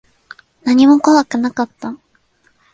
何も怖くなかった。